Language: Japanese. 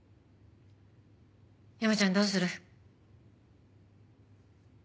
山ちゃんどうする？